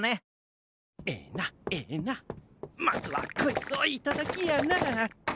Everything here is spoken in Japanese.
エナエナまずはこいつをいただきやな！